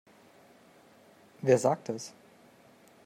Wer sagt das?